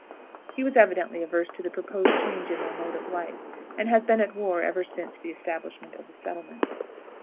He was evidently averse to the proposed change in their mode of life, and has been at war ever since the establishment of the settlement.